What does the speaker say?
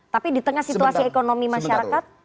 tapi di tengah situasi ekonomi masyarakat